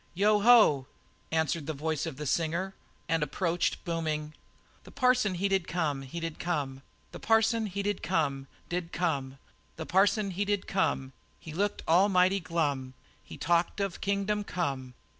"Yo ho!" answered the voice of the singer, and approached booming: "The parson he did come, he did come; The parson he did come did come. The parson he did come, He looked almighty glum, He talked of kingdom come